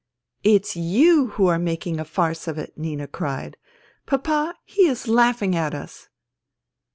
" It's you who are making a farce of it," Nina cried. " Papa, he is laughing at us